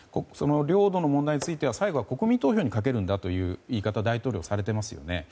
領土の問題については最後は国民投票にかけるんだという言い方を大統領はされていますよね。